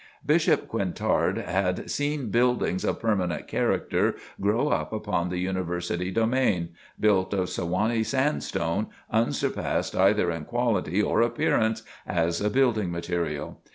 Bishop Quintard had seen buildings of permanent character grow up upon the University domain, built of Sewanee sand stone, unsurpassed either in quality or appearance as a building material.